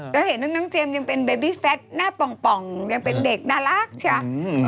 ก็เห็นว่าน้องเจมส์ยังเป็นเบบี้แฟทหน้าป่องยังเป็นเด็กน่ารักใช่ไหม